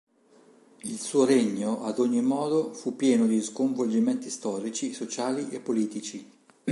Il suo regno ad ogni modo fu pieno di sconvolgimenti storici, sociali e politici.